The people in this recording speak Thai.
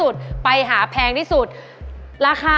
กล้วยหักมุก